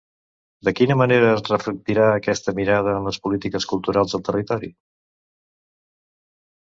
De quina manera es reflectirà aquesta mirada en les polítiques culturals al territori?